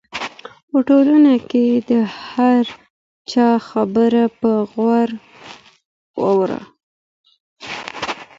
په ټولنه کې د هر چا خبره په غور واوره.